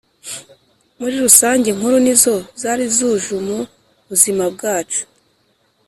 Muri rusange inkuru nizo zari zujumu buzima bwacu